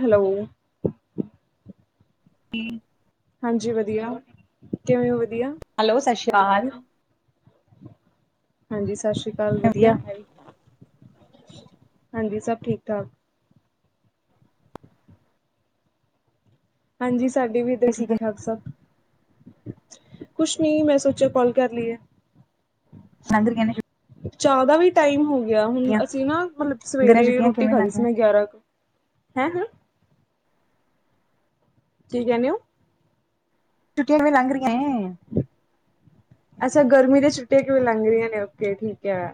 Hello. ਹ ਹਾਂਜੀ ਵਦੀਆ, ਕਿਵੇਂ ਓ ਵਦੀਆ। ਹੈਲੋ ਸਸ਼ ਸ਼੍ਰੀ ਕਾਲ। ਹਾਂਜੀ ਸਸ਼ ਸ਼੍ਰੀ ਕਾਲ ਵਦੀਆ। ਵਧੀਆ ਹਾਂਜੀ ਸਭ ਠੀਕ ਠਾਕ। ਹਾਂਜੀ ਸਾਡੀ ਵੀ ਇੱਧਰ ਠੀਕ ਠਾਕ ਸਭ। ਹ ਕੁਛ ਨੀ, ਮੈਂ ਸੋਚੇਆ ਕੋਲ ਕਰ ਲਈਏ। [unintelligible] ਚਾਹ ਦਾ ਵੀ ਟਾਈਮ ਹੋ ਗਿਆ ਹੁਣ, ਛੁੱਟੀਆਂ ਅਸੀਂ ਨਾ ਮਤਲਬ ਗਰਮੀਆਂ ਸਵੇਰੇ ਛੁੱਟੀਆਂ ਰੋਟੀ ਕਿਵੇਂ ਲੰਘ ਖਾਦੀ ਸੀ ਰਹੀਆਂ ਮੈਂ ਗਿਆਰਾਂ ਕੁ ਹੈਂ ਕੀ ਕੈਂਨੇ ਔ? ਛੂਟੀਆਂ ਕਿਵੇਂ ਲੱਘ ਰਿਆਂ ਏ? ਅੱਛਾ, ਗਰਮੀ ਦੇ ਛੁਟੀਆਂ ਕਿਵੇਂ ਲੰਘ ਰਿਆਂ, ਓਕੇ, ਠੀਕੈ।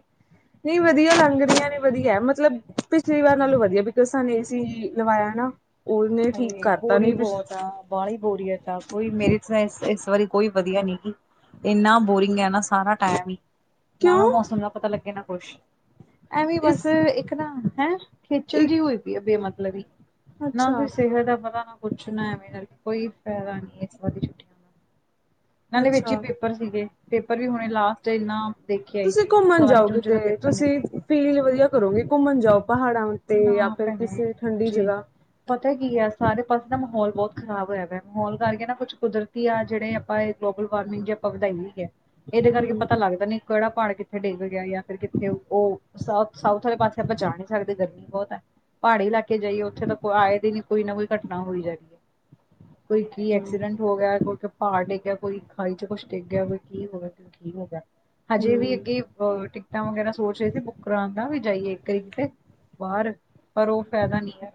ਨਈਂ ਵਧੀਆ ਲੰਘ ਰਈਂਆਂ ਨੇ ਵਧੀਆ, ਮਤਲਬ ਪਿਛਲੀ ਵਾਰ ਨਾਲੋਂ ਵਧੀਆ ਬਿਕੋਜ, ਸਾਨੇ ਇਸੀ ਲਵਾਇਆ ਨਾ ਔਨੇ ਠੀਕ ਹਾਏ ਕਰਤਾ, ਬੋਰੀ ਨਈਂ ਤੇ ਬਹੁਤ ਆ ਬਾਹਲੀ ਬੋਰੀਅਤ ਆਂ, ਕੋਈ ਮੇਰੀ ਫ੍ਰੇਂਡਜ਼ ਏਸ ਵਾਰੀ ਕੋਈ ਵਧੀਆ ਨੀਗੀ। ਏਨਾ ਬੋਰਿੰਗ ਐ ਨਾ ਸਾਰਾ ਟੈਮ ਈ। ਨਾ ਕਿਉਂ? ਨਾ ਮੌਸਮ ਦਾ ਪਤਾ ਲੱਗੇ ਨਾ ਕੌਛ, ਐਵੇਂ ਇਸ ਬਸ ਇੱਕ ਨਾ, ਹੈਂ। ਖੇਚਲ ਇੱਕ ਜੀ ਹੋਈ ਪਈ ਐ ਬੇ ਮਤਲਬ ਈ, ਨਾ ਕੋਈ ਅੱਛਾ ਸਿਹਤ ਦਾ ਪਤਾ ਨਾ ਕੋਛ, ਨਾ ਐਵੇ ਨਾਲ ਕੋਈ ਫਾਇਦਾ ਨਾਂ ਏਸ ਵਾਰੀ ਛੁਟੀ ਨਾਲੇ ਵੇਚ ਈ ਅੱਛਾ, ਪੇਪਰ ਸੀਗੇ, ਪੇਪਰ ਵੀ ਹੁਣੇ ਲਾਸਟ ਏਨਾ ਦੇਖੇਆ, ਤੁਸੀਂ ਘੁੰਮਣ ਸਾਰੀ ਜਾਓ ਜੂਨ ਚ ਔਦਾ ਕਿਤੇ ਪੇਪਰ ਨੇ। ਤੁਸੀਂ ਫੀਲ ਵਧੀਆ ਕਰੋਗੇ, ਘੁੰਮਣ ਜਾਓ ਪਹਾੜਾਂ ਉਤੇ ਜਾਂ ਨਾ ਫੇਰਰ ਭੈਣੇ ਕਿਸੇ ਠੰਡੀ ਹਜੇ ਨੀ ਜਗ੍ਹਾ। ਪਤਾ ਕੀ ਆ, ਸਾਰੇ ਪਾਸੇ ਨਾ ਮਾਹੌਲ ਬੋਤ ਖਰਾਬ ਹੋਇਆ ਦੈ, ਮਾਹੌਲ ਕਰਕੇ ਨਾ ਕੁੱਛ ਕੁਦਰ- ਕਿ ਆਹ ਜੇੜੇ ੜੇ ਆਪਾ, ਏ ਗਲੋਬਲ ਵਾਰਮਿੰਗ ਜੀ ਆਪਾਂ ਵਧਾਈ ਹੋਈ ਏ। ਏਦੇ ਕਰਕੇ ਹੂੰ। ਪਤਾ ਲੱਗਦਾ ਨੀ ਕੇੜਾ ਪਹਾੜ ਕਿੱਥੇ ਡੇਗ ਗਿਆ ਯਾਂ ਫੇਰ ਕਿੱਥੇ ਔ ਸਾਊਥ ਸਾਊਥ ਵਾਲੇ ਪਾਸੇ ਆਪਾਂ ਜਾ ਨਈਂ ਸਕਦੇ। ਗ ਬੋਤ ਐ ਪਹਾੜੀ ਇਲਾਕੇ ਜਾਈਏ ਔਥੇ ਤਾਂ ਕੋਈ ਆਏ ਦੀ ਨੀ ਕੋਈ ਨਾ ਕੋਈ ਘਟਨਾ ਹੋਈ ਜਾ ਰੀਐ। ਕੋਈ ਕੀ ਹੂੰ। ਐਕਸੀਡੈਂਟ ਹੋ ਗਿਆ ਕੋਈੇ ਪਹਾੜ ਡਿੱਗ ਗਯਾ, ਕੋਈ ਖਾਈ ਚ ਕੁੱਛ ਡੇਗਿਆ ਕੀਈ ਕੀ ਹੋ ਗਿਆ। ਹਜੇ ਵੀ ਹੂੰ, ਅੱਗੇ ਟਿਕਟਾਂ ਵਗੈਰਾ ਸੋਚ ਰਹੇ ਸੀ ਬੁੱਕ ਕਰਾ ਦਾ, ਵੀ ਜਾਈਏ ਇੱਕ ਆਰੀ ਏਥੇ। ਬਾਰ ਪਰ ਔ ਫੈਦਾ ਨੀਂ ਹੈ,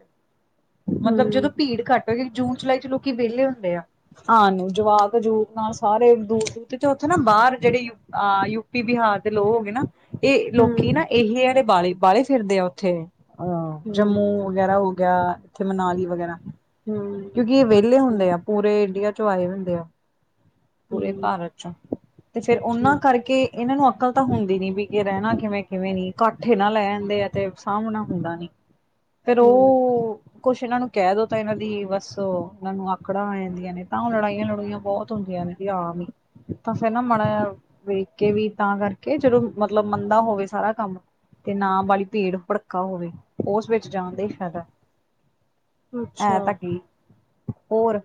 ਮਤਲਬ ਜਦੋਂ ਹੂੰ, ਭੀੜ ਘੱਟ ਹੋ, ਜੂਨ-ਜੁਲਾਈ ਚ ਲੋਕੀ ਵੇਲੇ ਹੁੰਦੇ ਆ। ਆਨ ਨੂੰ, ਜਵਾਕ-ਜੂਕ ਨਾਲ ਸਾਰੇ ਦੂਰ-ਦੂਰ ਤੇ ਉੱਥੇ ਨਾ ਬਾਹਰ ਜੇੜੇ ਹਾਂ, ਯੂਪੀ, ਬਿਹਾਰ ਦੇ ਲੋਗ ਹੋ ਗਏ ਨਾ। ਇਹ ਹੂੰ, ਲੋਕੀ ਨਾ ਇਹੀ ਆ ਬ ਬਾਲੇ ਫਿਰਦੇ ਆ ਓਥੈ, ਅਹ ਹੂੰ, ਜੰਮੂ ਵਗੈਰਾ ਹੋ ਗਯਾ, ਇੱਥੇ ਮਨਾਲੀ ਵਗੈਰਾ, ਕਿਉਂਕਿ ਐ ਹੂੰ। ਵੇਹਲੇ ਅੱਛਾ, ਹੁੰਦੇ ਆ। ਪੂਰੇ ਇੰਡੀਆ ਚੋਂ ਆਏ ਹੁੰਦੇ ਆ। ਪੂਰੇ ਹੂੰ ਭਾਰਤ ਚੋਂ, ਤੇ ਫੇਰ ਔਨਾਂ ਠੀਕ ਆ, ਕਰਕੇ ਏਨਾਂ ਨੂੰ ਅਕਲ ਤਾਂ ਹੁੰਦੀ ਨੀ ਵੀ ਰੈਂਣਾ ਕਿਵੇਂ, ਕਿਵੇਂ ਨੀ। ਕੱਠ ਏਨਾ ਲੈ ਜਾਂਦੇ ਆ ਤੇ ਸਾਂਭਣਾ ਹੁੰਦਾ ਨੀ। ਫੇਰ ਔ ਹੂੰ ਕੁਛ ਏਨਾਂ ਨੂੰ ਕਹਿ ਦੋ ਤਾਂ ਏਨਾਂ ਦੀ ਬਸ ਏਨਾਂ ਨੂੰ ਆਕੜਾਂ ਆ ਜਾਂਦੀਆਂ ਨੇ, ਤਾਂ ਔ ਲੜਾਈਆਂ-ਲੜੂਈਆਂ ਬੋਤ ਹੁੰਦੀਆਂ ਨੇ। ਏ ਆਮ ਈ ਤਾਂ ਫੇਰ ਨਾ ਮਾੜਾ ਜਾ ਵੇਖ ਕੇ ਵੀ, ਤਾਂ ਕਰਕੇ ਜਦੋ ਮਤਲਬ ਮੰਦਾ ਹੋਵੇ ਸਾਰਾ ਕੰਮ। ਤੇ ਨਾ ਬਾਲੀ ਭੀੜ ਭੜ ਕਾ ਹੋਵੇ ਉਸ ਵਿੱਚ ਜਾਣ ਦਾ ਈਂ ਫੈਦਾ ਐ ਅੱਛਾ। ਤਾਂ ਕੀ ਔਰ।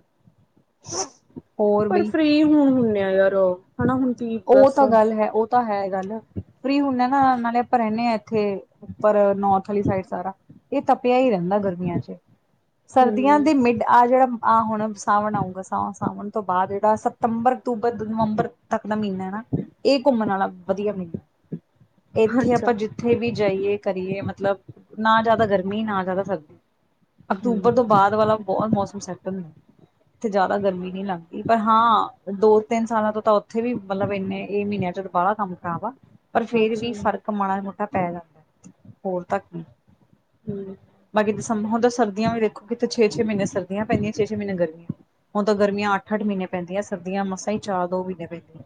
ਪਰ ਫ੍ਰੀ ਹੁਣ ਹੁੰਦੇ ਆ ਯਾਰ, ਔ ਹੈਨਾ ਹੁਣ ਕੀ ਓ ਦੱਸ ਤਾਂ ਹੂੰ। ਗੱਲ ਹੈ, ਓ ਤਾਂ ਹੈ ਇਹ ਗੱਲ ਫ੍ਰੀ ਹੁੰਦਾ ਨਾ ਨਾਲੇ ਆਪਾਂ ਰੈਨੇ ਆਂ, ਇੱਥੇ ਉੱਪਰ ਨੋਰਥ ਆਲੀ ਸਾਈਡ ਸਾਰਾ, ਏ ਤਪੇਆ ਈ ਰੈਂਦਾ ਗਰਮੀਆਂ ਚ। ਸਰਦੀਆਂ ਦੇ ਮਿੱਡ ਆਹ ਜਿਹੜਾ ਆਹ ਹੁਣ ਸਾਵਣ ਆਉਂਗਾ ਸਾਵਾਂ ਸਾਵਣ ਤੋਂ ਬਾਦ ਏਦਾ ਸਤੰਬਰ, ਅਕਤੂਬਰ, ਨਵੰਬਰ ਤੱਕ ਦਾ ਮਈਨਾ ਆ ਨਾ ਏ ਘੁੰਮਣ ਵਾਲਾ ਵਧੀਆ ਮਈਨਾ ਇੱਥੇ ਅੱਛਾ, ਆਪਾਂ ਜਿੱ ਥੇ ਵੀ ਜਾਈਏ ਕਰੀਏ ਮਤਲਬ ਨਾ ਜਾਦਾ ਗਰਮੀ ਨਾ ਜਾਦਾ ਸਰਦੀ। ਹੂੰ, ਅਕਤੂਬਰ ਤੋਂ ਬਾਦ ਵਾਲਾ ਬੋਤ ਮੌਸਮ ਸੈੱਟ ਹੁੰਦਾ ਇੱਥੇ ਜਾਦਾ ਗਰਮੀ ਨੀ ਲੱਗਦੀ ਪਰ ਹਾਂ ਦੋ ਤਿੰਨ ਸਾਲਾਂ ਤੋ ਤਾਂ ਉੱਥੇ ਵੀ ਮਲਬ ਇੰਨੇ ਏ ਮਹੀਨਿਆਂ ਚ ਬਾਲਾ ਕੰਮ ਖਰਾਬ ਆ ਪਰ ਫੇਰ ਅੱਛਾ, ਵੀ ਫਰਕ ਮਾੜਾ ਮੋਟਾ ਪੈ ਜਾਂ ਹੋਰ ਤਾਂ ਕੀ। ਹੂੰ ਬਾਕੀ ਦਮਬ ਹੁਨ ਤਾ ਸਰਦੀਆਂ ਵੇਖੋ ਕਿਤੇ ਛੇ-ਛੇ ਮਈਨੇ ਸਰਦੀਆਂ ਪੈਂਦੀ ਛੇ-ਛੇ ਮਈਨੇ ਗਰਮੀਆਂ। ਹੁਣ ਤਾਂ ਗਰਮੀਆਂ ਅੱਠ-ਅੱਠ ਮਈਨੇ ਪੈਂਦੀਆਂ ਸਰਦੀਆਂ ਮਸਾਂ ਹੀ ਚਾਰ, ਦੋ ਮਹੀਨੇ ਪੈਂਦੀਆਂ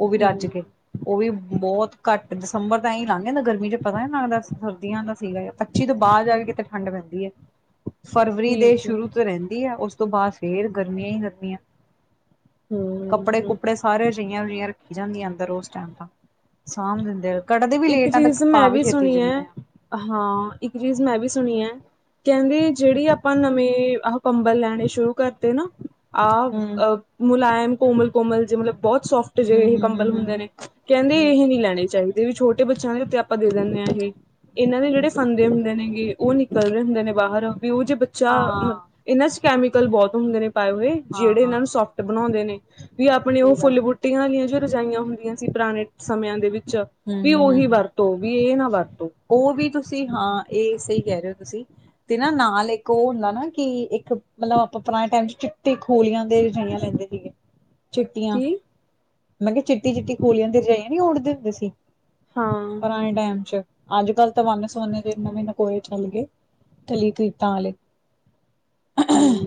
ਉਹ ਵੀ ਰੱਜ ਹੂੰ। ਕੇ। ਉਹ ਵੀ ਬੋਤ ਘੱਟ ਦਸੰਬਰ ਤਾਂ ਐਈ ਲੰਘ ਜਾਂਦਾ ਗਰਮੀ ਚ ਪਤਾ ਨੀ ਲੱਗਦਾ ਸਰਦੀਆਂ ਦਾ ਸੀਗਾ ਓ ਤੇ। [unintelligible] ਤੋਂ ਬਾਦ ਜਾ ਕੇ ਕਿਤੇ ਠੰਢ ਪੈਂਦੀ ਏ। ਫਰਵਰੀ ਦੇ ਠੀਕ ਐ, ਸ਼ੁਰੂ ਤੋਂ ਰੇੰਦੀ ਆ ਉਸ ਤੋਂ ਬਾਦ ਫੇਰ ਗਰਮੀਆਂ ਹੀ ਗਰਮੀਆਂ। ਹੂੰ, ਹੂੰ। ਕੱਪੜੇ-ਕੁਪੜੇ ਸਾਰੇ ਰਜਿਈਆਂ-ਰਜੂਈਆਂ ਰੱਖੀ ਜਾਂਦੀਆਂ ਅੰਦਰ ਉਸ ਟੈਮ ਤਾ। ਸਾਭ ਦੈੰਦੇ। ਇੱਕ ਚੀਜ਼ ਮੈਂ ਵੀ ਸੁਣੀ ਐ, ਹਾਂ ਇੱਕ ਚੀਜ਼ ਮੈਂ ਵੀ ਸੁਣੀ ਐ। ਕੇੰਦੀ ਜੇੜੀ ਆਪਾਂ ਨਵੇਂ ਆਹ ਕੰਬਲ ਲੈਣੇ ਸ਼ੁਰੂ ਕਰ ਤੇ ਨਾ ਆ ਹੂੰ ਮੁਲਾਇਮ ਕੋਮਲ-ਕੋਮਲ ਜੇ ਮਤਲਬ ਬੋਤ ਸੋਫਟ ਜਹੇ ਹੂੰ ਏਹ ਹੂੰ ਕੰਬਲ ਹੂੰ ਹੁੰਦੇ ਨੇ ਹੂੰ ਕੇੰਦੀ ਹੂੰ ਇਹ ਨੀ ਲੈਣੇ ਚਾਈਦੇ ਵੀ ਛੋਟੇ ਬੱਚਿਆਂ ਦੇ ਉੱਤੇ ਆਪਾਂ ਦੇ ਦਿੰਨੇ ਆ ਏਹ। ਏਨਾਂ ਦੇ ਜੇੜੇ ਫੰਦੇ ਹੁੰਦੇ ਨੇਗੇ ਉਹ ਨਿਕਲ ਜਾਂਦੇ ਨੇ ਬਾਹਰ ਮੂੰਹ ਚ ਬੱਚਾ ਹਾਂ ਇਨਾਂ ਚ ਕੈਮੀਕਲ ਬੋਤ ਹੁੰਦੇ ਨੇ ਪਾਏ ਹੋਏ ਹਾਂ ਜੇੜੇ ਹਾਂ ਇਹਨਾਂ ਨੂੰ ਸੋਫਟ ਬਣਾਉਂਦੇ ਨੇ। ਵੀ ਆਪਣੇ ਉਹ ਸਹੀ ਗੱਲ ਫੁੱਲ, ਹੈ ਬੂਟੀਆਂ ਵਾਲੀਆਂ ਜੋ ਰਜਾਈਆਂ ਹੁੰਦੀਆਂ ਸੀ ਪੁਰਾਣੇ ਸਮਿਆਂ ਦੇ ਵਿੱਚ। ਹੂੰ ਵੀ ਉਹੀ ਵਰਤੋ ਵੀ ਏ ਨਾ ਵਰਤੋ। ਔ ਵੀ ਤੁਸੀਂ ਹਾਂ ਏ ਸਈ ਕਹਿ ਰਹੇ ਹੋ ਤੁਸੀਂ। ਤੇ ਨਾ ਨਾਲ ਇੱਕ ਉਹ ਹੁੰਦਾ ਨਾ ਕਿ ਇੱਕ ਮਲਬ ਆਪਾਂ ਪੁਰਾਣੇ ਟਾਈਮ ਚ ਚਿੱਟੇ ਖੋਲੀਆਂ ਦੇ ਰਜਾਇਆਂ ਲੈਂਦੇ ਸੀਗੇ। ਚਿੱਟੀਆਂ ਕੀ ਮੈਂ ਕਿਆ ਚਿੱਟੀ-ਚਿੱਟੀ ਖੋਲੀਆਂ ਦੀ ਰਜਾਈਆਂ ਨੀ ਓਡਦੇ ਹੁੰਦੇ ਸੀ। ਹਾਂ। [unintelligible] ਟੈਮ ਚ, ਅੱਜ ਕਲ ਤਾਂ ਵੰਨ ਸਵੰਨੇ ਜੇ ਨਵੇ ਨਕੋਐ ਚੱਲ ਗੇ। ਕਲੀ ਕਰ੍ਰੀਤਾਂ ਆਲੇ। ਹੂੰ।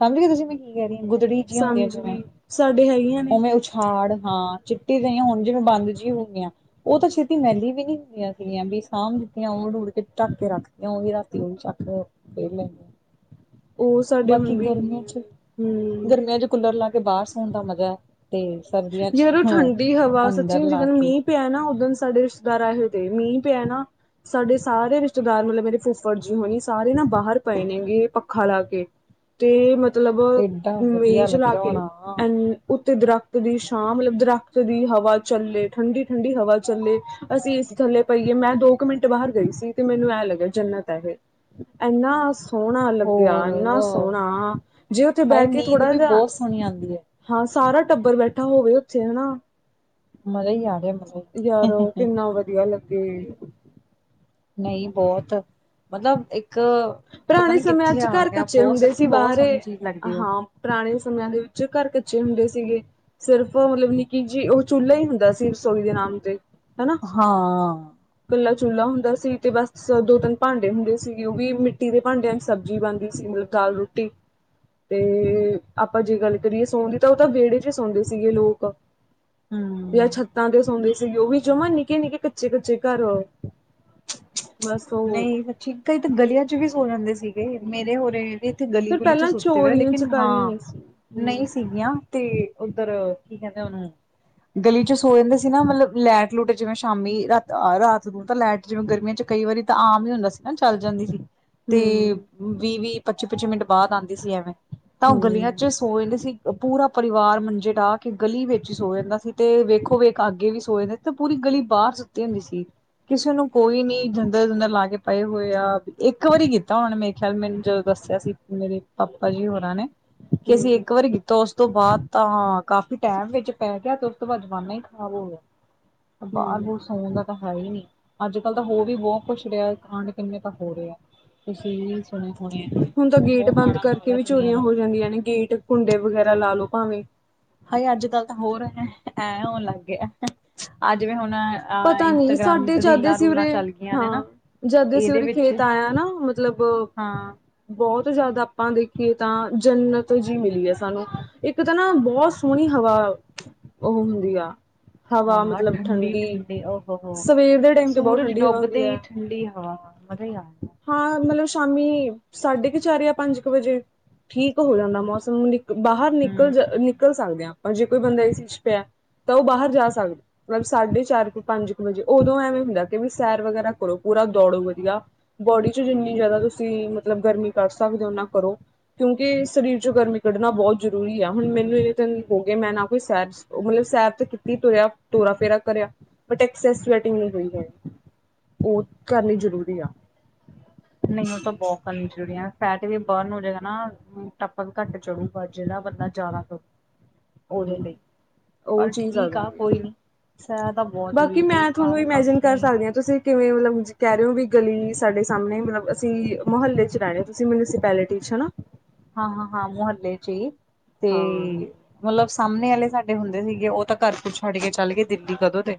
ਸਮਝ ਗੇ ਤੁਸੀਂ ਮੈਂ ਕੀ ਕਹਿ ਰਈ ਗੁਦੜੀ ਜਿਆ ਹੁੰਦੀਆਂ ਸਮਝ ਜਿਵੇਂ ਗਈ ਸਾਡੇ ਹੈਗੀਆਂ ਨੇ ਪਾਵੇ ਉਚ ਖਾੜ ਹਾਂ ਚਿੱਟੀ ਯਇਆ ਹੁਣ ਜੇਵੇ ਬੰਦ ਜਿਹੀ ਹੋ ਗਿਆ। ਉਹ ਤਾਂ ਛੇਤੀ ਮੇਲੀ ਵੀ ਨੀ ਹੁੰਦੀਆਂ ਸੀਗੀਆਂ ਵੀ ਸਾਂਭ ਦਿੱਤੀਆਂ ਉਹ ਡੂਕ ਢਕ ਕੇ ਰਖ ਤਿਆ ੳਵੇ ਰਾਤੀ ਚੱਕ ਲੋ। [unintelligible] ਉਹ ਸਾਡੇ ਹੁਣ ਵੀ ਹੈਗੀਆਂ ਚ ਨੇ, ਹੂੰ। ਗਰਮੀਆਂ ਚ ਕੂਲਰ ਲਾ ਕੇ ਬਾਰ ਸੋਨ ਦਾ ਮਜ਼ਾ ਤੇ ਸਰਦੀਆਂ ਚ ਯਾਰ ਉਹ ਠੰਡੀ ਹਵਾ ਸੱਚੀ ਅੰਦਰ ਲਾ ਜਿੱਦਣ ਕੇ। ਮੀਂਹ ਪਿਆ ਨਾ ਉਦਨ ਸਾਡੇ ਰਿਸ਼ਤੇਦਾਰ ਆਏ ਹੋਏ ਦੇ ਮੀਂਹ ਪਿਆ ਨਾ। ਸਾਡੇ ਸਾਰੇ ਰਿਸ਼ਤੇਦਾਰ ਮਲਬ ਮੇਰੇ ਫੁੱਫੜ ਜੀ ਹੋਣੀ ਸਾਰੇ ਨਾ ਬਾਹਰ ਪਏ ਨੇਗੇ ਪੱਖਾ ਲਾ ਕੇ। ਤੇ ਮਤਲਬ ਏਡਾ ਮੀ ਵਧੀਆ ਚਲਾ ਲੱਗਿਆ ਕੇ ਹੋਣਾ ਉੱਤੇ ਦ੍ਖ ਦੀ ਸ਼ਾਮ ਮਲਬ ਦਰੱਖਤ ਦੀ ਹਵਾ ਚੱਲੇ ਠੰਡੀ-ਠੰਡੀ ਹਵਾ ਚੱਲੇ। ਅਸੀਂ ਏ ਸੀ ਥੱਲੇ ਪਈਏ ਮੈਂ ਦੋ ਕੁ ਮਿੰਟ ਬਾਹਰ ਗਈ ਸੀ ਤੇ ਮੈਨੂੰ ਐਂ ਲੱਗਿਆ ਜੰਨਤ ਐ ਏਹੇ। ਐਨਾ ਸੋਹਣਾ ਲੱਗਿਆ ਐਨਾ ਹੋਰ ਸੋਹਣਾ ਜੇ ਉਥੇ ਬਹਿ ਕੇ ਥੋੜਾ ਜਾ ਹੁਣਗ ਆਂਦੀ ਹੈ। ਹਾਂ ਸਾਰਾ ਟੱਬਰ ਬੈਠਾ ਹੋਵੇ ਓਥੇ ਹਨਾ। ਮਜ਼ਾ ਈ ਆ ਰਿਆ ਮਜ਼ਾ ਈ। ਯਾਰੋ ਕਿੰਨਾ ਵਧੀਆ ਲੱਗੇ। ਨਈ ਬੋਤ ਮਤਲਬ ਇੱਕ ਪਤਾ ਪੁਰਾਣੇ ਨੀ ਸਮਿਆਂ ਕਿੱਥੇ ਚ ਆ ਘਰ ਗਿਆ ਕੱਚੇ ਬੋਤ ਸੱਚੀ ਬੋਤ ਸੋਣੀ ਚੀਜ਼ ਲੱਗਦੀ ਓ। ਪਰਾਣੇ ਸਮਿਆਂ ਦੇ ਵਿੱਚ ਘਰ ਕੱਚੇ ਹੁੰਦੇ ਸੀਗੇ। ਸਿਰਫ ਮਲਬ ਨਿਕੀ ਜੀ ਓ ਚੁਲਾ ਈ ਹੁੰਦਾ ਸੀ ਰਸੋਈ ਦੇ ਨਾਮ ਤੇ। ਹਾਂ ਕੱਲਾ ਚੁੱਲਾ ਹੁੰਦਾ ਸੀ ਤੇ ਬਸ ਦੋ ਤਿੰਨ ਭਾਂਡੇ ਹੁੰਦੇ ਸੀਗੇ, ਓ ਵੀ ਮਿੱਟੀ ਮਿਟੀ ਦੇ ਭਾਂਡਿਆਂ 'ਚ ਸਬਜ਼ੀ ਬਣਦੀ ਸੀ ਮਤਲਬ ਦਾਲ ਰੋਟੀ। ਤੇ ਆਪਾਂ ਜੇ ਗੱਲ ਕਰੀਏ ਸੌਣ ਦੀ ਤਾਂ ਓ ਤਾਂ ਵੇੜੇ 'ਚ ਈ ਸੌਂਦੇ ਸੀਗੇ ਲੋਕ। ਜਾਂ ਹਮ ਛੱਤਾਂ ਤੇ ਸੌਂਦੇ ਸੀਗੇ ਓ ਵੀ ਜਵਾਂ ਨਿੱਕੇ- ਨਿੱਕੇ ਕੱਚੇ-ਕੱਚੇ ਘਰ ਓ। ਨਈ ਸੱਚੀ ਕਈ ਤਾਂ ਗਲੀਆਂ 'ਚ ਵੀ ਸੋ ਜਾਂਦੇ ਸੀਗੇ। ਮੇਰੇ ਹੋਰੇ ਏਥੇ ਗਲੀ ਫਿਰ ਗੁਲੀ 'ਚ ਪਹਿਲਾਂ ਸੁੱਤੇ ਹੋਏ ਚੋਰੀਆਂ ਲੇਕਿਨ ਚਕਾਰੀਆਂ ਹਾਂ ਨਹੀਂ ਸੀ। ਹੂੰ, ਨਈ ਸੀ ਗੀਆਂ। ਤੇ ਓਧਰ ਕੀ ਕੈਂਦੇ ਓਨੂੰ ਗਲੀ 'ਚ ਸੋ ਜਾਂਦੇ ਸੀ ਨਾ ਮਤਲਬ ਲੈਟ ਲੂਟ ਜਿਵੇਂ ਸ਼ਾਮੀ ਰਾਤ, ਆ ਰਾਤ ਨੂੰ ਤਾਂ ਲੈਟ ਜਿਵੇਂ ਗਰਮੀਆਂ ਚ ਕਈ ਵਰੀ ਤਾਂ ਆਮ ਈ ਹੁੰਦਾ ਸੀ ਨਾ ਚੱਲ ਜਾਂਦੀ ਸੀ, ਤੇ ਹੂੰ, ਵੀ- ਵੀ, ਪੱਚੀ- ਪੱਚੀ ਮਿੰਟ ਬਾਦ ਆਂਦੀ ਸੀ ਐਵੇਂ। ਤਾਂ ਓ ਗਲੀਆਂ ਹੂੰ। 'ਚ ਸੋ ਜਾਂਦੇ ਸੀ। ਓ ਪੂਰਾ ਪਰਿਵਾਰ ਮੰਜੇ ਡਾ ਕੇ ਗਲੀ ਵਿੱਚ ਈ ਸੋ ਜਾਂਦਾ ਸੀ, ਤੇ ਵੇਖੋ ਵੇਖ ਅੱਗੇ ਵੀ ਸੋਏ ਦੇ ਤੇ ਪੂਰੀ ਗਲੀ ਬਾਰ ਸੁੱਤੀ ਹੁੰਦੀ ਸੀ, ਕਿਸੇ ਨੂੰ ਕੋਈ ਨੀ ਓਧਰ ਦੰਧਰ ਲਾ ਕੇ ਪਏ ਹੋਏ ਆ, ਇੱਕ ਵਾਰੀ ਕੀਤਾ ਓਨਾਂ ਨੇ ਮੇਰੇ ਖਿਆਲ ਮੈਨੂੰ ਜਦੋਂ ਦੱਸਿਆ ਸੀ। ਮੇਰੇ ਪਾਪਾ ਜੀ ਹੋਰਾਂ ਨੇ, ਕਿ ਅਸੀਂ ਹੂੰ, ਇੱਕ ਵਰੀ ਤੋ ਓਸ ਤੋਂ ਬਾਦ ਤਾਂ ਕਾਫੀ ਟੈਮ ਵਿੱਚ ਪੈ ਗਿਆ, ਤੇ ਓਸ ਤੋਂ ਬਾਦ ਜ਼ਮਾਨਾ ਈ ਖਰਾਬ ਹੋ ਗਿਆ। ਬਾਰ ਹੂੰ, ਬੂਰ ਸੌਣ ਦਾ ਤਾਂ ਹੈ ਈ ਨੀ, ਅੱਜ ਕੱਲ ਤਾਂ ਹੋ ਵੀ ਬੋਤ ਕੁੱਛ ਰਿਆ ਕਾਂਡ ਕਿੰਨੇ ਤਾਂ ਹੋ ਰੇ ਆ। ਤੁਸੀਂ ਸੁਣੇ ਹੋਣੇ ਆ ਹੁਣ ਤਾਂ ਗੇਟ ਬਹੁਤ ਬੰਦ ਮਾੜਾ ਹਾਲ ਕਰਕੇ ਹੈ ਵੀ ਦੁਨੀਆਂ ਚੋਰੀਆਂ ਦਾ। ਹੋ ਜਾਂਦੀਆਂ ਨੇ। ਗੇਟ ਕੁੰਡੇ ਵਗੈਰਾ ਲਾ ਲੋ ਭਾਵੇਂ। ਹਾਏ ਅੱਜ ਕੱਲ ਤਾਂ ਹੋਰ ਹੈ ਐਂ ਹੋਣ ਲੱਗ ਗਿਆ। ਅੱਜ ਵੀ ਹੁਣ ਅ ਪਤਾ ਨੀ ਇੰਸਟਾਗ੍ਰਾਮ ਸਾਡੇ ਜਦ ਰੀਲਾਂ ਅਸੀਂ ਰੂਲਾਂ ਉਰੇ ਚੱਲ ਗੀਆਂ ਨੇ ਹਾਂ ਨਾ। ਜਦ ਅਸੀਂ ਇਹਦੇ ਓਦੇ ਵਿੱਚ ਖੇਤ ਆਇਆ ਨਾ ਮਤਲਬ ਹਾਂ ਬੋਤ ਜਾਦਾ ਆਪਾਂ ਦੇਖੀਏ ਤਾਂ ਜਨਤ ਜੀ ਮਿਲੀ ਏ ਸਾਨੂੰ, ਇੱਕ ਤਾਂ ਨਾ ਬੋਤ ਸੋਹਣੀ ਹਵਾ ਓ ਹੁੰਦੀ ਆ ਹਵਾ ਮ ਹਾਂ ਠੰਡੀ ਠੰਡੀ ਓਹੋ ਹੋ ਦੇ ਟਾਈਮ ਤੇ ਬਹੁਤ ਸੂਰਜ ਠੰਡੀ ਹਵਾ ਡੁੱਬਦੇ ਹੁੰਦੀ ਈ ਹੈ। ਠੰਡੀ ਹਵਾ ਮਜ਼ਾ ਈ ਆ ਗਿਆ। ਹਾਂ ਮਲਬ ਸ਼ਾਮੀ ਸਾਢੇ ਕੁ ਚਾਰ ਜਾਂ ਪੰਜ ਕੁ ਵਜੇ, ਠੀਕ ਹੋ ਜਾਂਦਾ ਮੌਸਮ ਨੂੰ ਬਾਹਰ ਹੂੰ। ਨਿਕਲ ਜਾ ਨਿਕਲ ਸਕਦੇ ਆਂ ਆਪਾਂ ਜੇ ਕੋਈ ਬੰਦਾ ਏ ਸੀ 'ਚ ਪਿਆ ਤਾਂ ਓ ਬਾਹਰ ਜਾ ਸਕਦਾ। ਮਲਬ ਸਾਢੇ ਚਾਰ ਕੁ ਪੰਜ ਕੁ ਵਜੇ ਓਦੋਂ ਐਵੇਂ ਹੁੰਦਾ ਕਿ ਵੀ ਸੈਰ ਵਗੈਰਾ ਕਰੋ, ਪੂਰਾ ਦੌੜੋ ਵਧੀਆ। ਬੋਡੀ 'ਚ ਜਿੰਨੀ ਜ਼ਿਆਦਾ ਤੁਸੀਂ ਮਤਲਬ ਗਰਮੀ ਕੱਢ ਸਕਦੇ ਓ, ਓਨਾ ਕਰੋ। ਕਿਉਂਕਿ ਸਰੀਰ ਚੋਂ ਗਰਮੀ ਕੱਢਣਾ ਬੋਤ ਜ਼ਰੂਰੀ ਆ, ਹੁਣ ਮੈਨੂੰ ਏਨੇ ਦਿਨ ਹੋ ਗੇ ਮੈਂ ਨਾ ਕੋਈ ਸੈਰ ਓ ਮਲਬ ਸੈਰ ਤੇ ਕੀਤੀ, ਤੁਰਿਆ ਤੋਰਾ ਫੇਰਾ ਕਰਿਆ ਬਟ ਐਕਸਸ ਸਵੈਟਿੰਗ ਨੀ ਹੋਈ ਐ, ਓ ਕਰਨੀ ਜ਼ਰੂਰੀ ਆ। ਨਈ ਓ ਤਾਂ ਬੋ ਕਰਨੀ ਜ਼ਰੂਰੀ ਆ, ਫੈਟ ਵੀ ਬਰਨ ਹੋ ਜੇਗਾ ਨਾ। ਮੋਟੱਪਣ ਘੱਟ ਚੜੂਗਾ ਜਗੜਾ ਬੰਦਾ ਜਾਦਾ ਕਰੂ ਓਦੇ ਹਮ ਲਈ। ਉਹ ਪਰ ਚੀਜ਼ ਠੀਕ ਆ, ਜਾਂਦੀ ਕੋਈ ਨੀ ਸੈਰ ਤਾਂ ਬੋਤ ਜ਼ਰੂਰੀ ਬਾਕੀ ਐ ਬਈ ਮੈਂ ਤੁਹਾਨੂੰ ਸਾਰੇ ਇਮੈਜਿਨ ਪਾਸੇ ਕਰ ਈ ਸਕਦੀ ਹਾਂ ਤੁਸੀਂ ਕਿਵੇਂ ਮਤਲਬ ਕੈ ਰੈ ਓ ਵੀ ਗਲੀ ਸਾਡੇ ਸਾਮਣੇ ਮਲਬ ਅਸੀਂ ਮੁਹੱਲੇ 'ਚ ਰੈਣੇ ਓ ਤੁਸੀਂ ਮਿਊਨਸੀਪੈਲਿਟੀ 'ਚ ਹਨਾ। ਹਾਂ ਹਾਂ ਹਾਂ, ਮੁਹੱਲੇ ਚ ਈ ਹਾਂ ਤੇ ਮਲਬ ਸਾਹਮਨੇ ਆਲੇ ਸਾਡੇ ਹੁੰਦੇ ਸੀਗੇ ਉਹ ਤਾਂ ਘਰ ਘੁਰ ਛੱਡ ਕੇ ਚੱਲ ਗੇ ਦਿੱਲੀ ਕਦੋਂ ਦੇ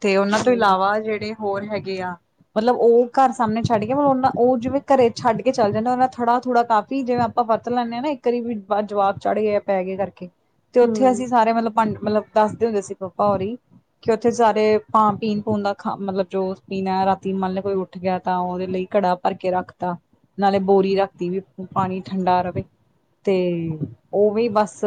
ਤੇ ਉਹਨਾਂ ਤੋਂ ਹੂੰ ਇਲਾਵਾ ਜਿਹੜੇ ਹੋਰ ਹੈਗੇ ਆ ਮਤਲਬ ਉਹ ਘਰ ਸਾਹਮਨੇ ਛੱਡ ਗੇ ਪਰ ਉਨਾ ੳ ਜਿਵੇਂ ਘਰੇ ਛੱਡ ਕੇ ਚਲ ਜਾਨ, ਉਹਨਾਂ ਦਾ ਥੜਾ ਥੁੜਾ ਕਾਫੀ ਜਿਵੇਂ ਆ ਆਪਾਂ ਵਰਤ ਲੈਂਨੇ ਆ ਨਾ ਇੱਕ ਅਰੀ ਵੀ ਜਵਾਕ ਚੜ ਗਏ ਆ ਪੈ ਗਏ ਕਰਕੇ, ਤੇ ਉੱਥੇ ਹੂੰ ਅਸੀਂ ਸਾਰੇ ਮਤਲਬ ਭਾਂਡ ਮਤਲਬ ਦੱਸਦੇ ਹੁੰਦੇ ਸੀ ਪਾਪਾ ਹੋਰੀ ਕਿ ਉੱਥੇ ਸਾਰੇ ਭਾਂ ਪੀਨ ਪੂਨ ਦਾ ਖਾ, ਮਤਲਬ ਜੋ ਪੀਨੇ ਰਾਤੀ ਮੰਨ ਲੇ ਕੋਈ ਉੱਠ ਗਿਆ ਤਾਂ ਉਹਦੇ ਲਈ ਘੜਾ ਭਰ ਕੇ ਰੱਖਤਾ ਨਾਲੇ ਬੋਰੀ ਰੱਖਤੀ ਵੀ ਪਾਨੀ ਠੰਡਾ ਰਵੇ, ਤੇ ਉਵੇ ਈ ਬਸ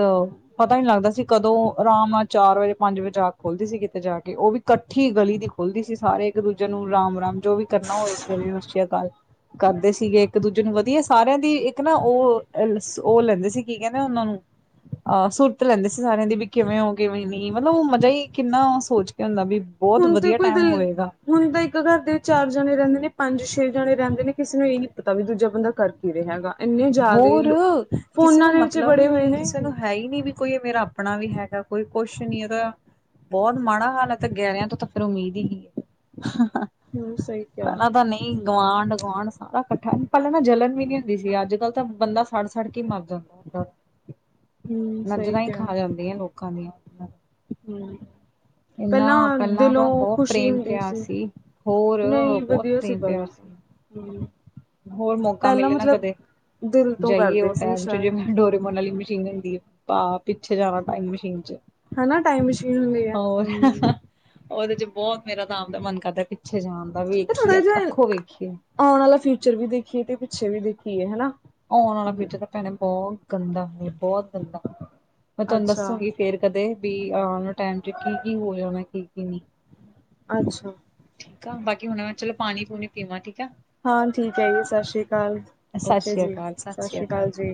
ਪਤਾ ਈ ਨੀ ਲੱਗਦਾ ਸੀ ਕਦੋਂ ਆਰਾਮ ਨਾਲ ਚਾਰ ਵਜੇ ਪੰਜ ਵਜੇ ਜਾਗ ਖੋਲਦੀ ਸੀ ਕਿਤੇ ਜਾ ਕੇ ਉਹ ਵੀ ਕੱਠੀ ਗਲੀ ਦੀ ਖੁੱਲਦੀ ਸੀ ਸਾਰੇ ਇੱਕ ਦੂਜੇ ਨੂੰ ਰਾਮ ਰਾਮ ਜੋ ਵੀ ਕਰਨਾ ਹੋਵੇ ਇਸ ਗਲੀ ਨੂੰ [unintelligible] ਕਰਦੇ ਸੀਗੇ ਇੱਕ ਦੂਜੇ ਨੂੰ ਵਧੀਆ ਸਾਰਿਆਂ ਦੀ ਇੱਕ ਇੱਕ ਨਾ ਉਹ ਉਹ ਲੈਂਦੇ ਸੀ ਕੀ ਕਹਿੰਦੇ ਉਹਨਾਂ ਨੂੰ ਅਹ ਸੁਰਤ ਲੈਂਦੇ ਸੀ ਸਾਰਿਆਂ ਦੀ ਵੀ ਕਿਵੇਂ ਹੋ, ਕਿਵੇਂ ਨੀ ਮਤਲਬ ਉਹ ਮਜ਼ਾ ਹੀ ਕਿੰਨਾ ਸੋਚ ਕੇ ਹੁੰਦਾ ਵੀ ਬਹੁਤ ਹੁ਼ਨ ਤੇ ਵਧੀਆ ਕੋਈ ਦ ਟਾਈਮ ਹੋਏਗਾ ਹੁਨ ਤੇ ਇੱਕ ਘਰ ਦੇ ਚਾਰ ਜਣੇ ਰਹਿੰਦੇ ਨੇ ਪੰਜ ਛੇ ਜਣੇ ਰਹਿੰਦੇ ਨੇ ਕਿਸੇ ਨੂੰ ਇਹ ਨੀ ਪਤਾ ਵੀ ਦੂਜਾ ਬੰਦਾ ਕਰ ਕੀ ਰੇਹਾ ਹੈਗਾ, ਏਨੇ ਜ਼ਿਆਦੇ ਹੋਰ ਈ ਕਿਸੇ ਫੋਨਾਂ ਨੂੰ ਦੇ ਵਿੱਚ ਮਤਲਬ ਬੜੇ ਹੀ ਹੋਏ ਨਹੀਂ ਨੇ ਕਿਸੇ ਨੂੰ ਹੈ ਈ ਨੀ ਵੀ ਕੋਈ ਮੇਰਾ ਆਪਣਾ ਵੀ ਹੈਗਾ ਕੋਈ ਕੁਛ ਨੀ ਉਹਦਾ ਬਹੁਤ ਮਾੜਾ ਹਾਲ ਹੈ ਤੇ ਗਹਿਰਿਆਂ ਤੋਂ ਤਾਂ ਫੇਰ ਉਮੀਦ ਹੀ ਕੀ ਹੂੰ ਏ ਸਹੀ ਕਿਹਾ ਪਹਿਲਾ ਤਾਂ ਨਹੀਂ ਗਵਾਂਢ ਗੁਆਂਢ ਸਾਰਾ ਕੱਠਾ, ਪਹਿਲਾਂ ਨਾ ਜਲਨ ਵੀ ਨੀ ਹੁੰਦੀ ਸੀ ਅੱਜ ਅਜ ਕੱਲ ਤਾਂ ਬੰਦਾ ਸੜ ਸੜ ਕੇ ਈ ਮਰ ਜਾਂਦੇ, ਹੂੰ ਸਹੀ ਨਜ਼ਰਾਂ ਹੀ ਕਿਹਾ ਖਾ ਜਾਂਦੀਆਂ ਲੋਕ ਲੋਕਾਂ ਦੀਆ ਹੂੰ ਇਨਾ ਪਹਿਲਾਂ ਤਾਂ ਦਿਲੋਂ ਬਹੁਤ ਖ਼ੁਸ਼ੀ ਪ੍ਰੇਮ ਹੁੰਦੀ ਪਿਆਰ ਸੀ, ਹੋਰ ਨਈਂ ਬਹੁਤ ਵਦੀਆ ਸੀ ਪ੍ਰੇਮ ਪਿਆਰ ਪਹਿਲਾਂ ਹੂੰ ਹੋਰ ਮੌਕਾ ਪਹਿਲਾਂ ਮਿਲੇ ਨਾ ਮਤਲਬ ਕਦੇ, ਦਿਲ ਤੋਂ ਜਾਈਏ ਓ ਕਰਦੇ ਸੀ ਟੈਮ ਚ ਸ਼ਾਇਦ ਜਿਵੇਂ ਡੋਰੇਮੋਨ ਆਲੀ ਮਸ਼ੀਨ ਭਾ ਪਿੱਛੇ ਜਾਨਾ ਟਾਈਮ ਮਸ਼ੀਨ ਚ ਹੇਨਾ, ਟਾਈਮ ਮਸ਼ੀਨ ਹੁੰਦੀ ਐ, ਹਮ ਓਦੇ ਚ ਬੋਹਤ ਮੇਰਾ ਤਾਂ ਆਪਦਾ ਮਨ ਕਰਦਾ ਪਿੱਛੇ ਜਾਨ ਦਾ ਵੇਖੀਏ ਅੱਖੋ ਵੇਖੀਏ ਆਂਣ ਆਲਾ ਫਿਊਚਰ ਵੀ ਦੇਖੀਏ ਤੇ ਪਿੱਛੇ ਵੀ ਦੇਖੀਏ ਹੇਨਾ ਆਉਣ ਆਲਾ ਫਿਊਚਰ ਤਾਂ ਭੈਣੇ ਬੋਤ ਗੰਦਾ ਬੋਤ ਗੰਦਾ ਮੈਂ ਤੁਆਨੂੰ ਅੱਛਾ ਦੱਸੂੰਗੀ। ਫੇਰ ਕਦੇ ਵੀ ਆਉਣ ਆਲੇ ਟੈਮ ਚ ਕੀ-ਕੀ ਹੋਇਆ ਹੋਣੈ ਕੀ-ਕੀ ਨਈਂ ਅੱਛਾ ਠੀਕ ਆ, ਬਾਕੀ ਹੁਨ ਮੈਂ ਚਲੋ ਪਾਨੀ-ਪੂਨੀ ਪੀਵਾਂ ਠੀਕ ਆ। ਹਾਂ ਠੀਕ ਐ ਜੀ, ਸਸ਼੍ਰੀ ਕਾਲ ਸਤਿ ਓਕੇ ਸ੍ਰੀ ਜੀ ਅਕਾਲ ਸਤਿ ਸ੍ਰੀ ਸਸ਼੍ਰੀ ਕਾਲ ਅਕਾਲ ਜੀ।